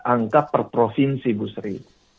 angka per provinsi bu sri